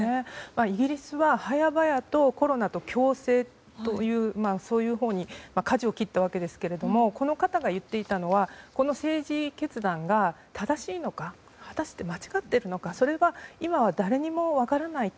イギリスは早々とコロナとの共生というそういうほうにかじを切ったわけですがこの方が言っていたのはこの政治決断が正しいのか果たして間違っているのかそれは今は誰にも分からないと。